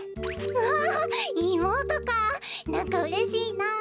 わあいもうとかなんかうれしいな。